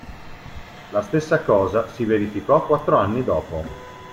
La stessa cosa si verificò quattro anni dopo.